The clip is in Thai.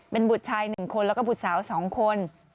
เป็นบุตรชาย๑คนแล้วก็บุตรสาว๒คน